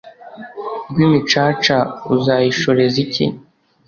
rwimicaca uzayishoreza iki ?